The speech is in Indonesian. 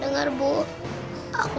dengar bu aku baru mau masuk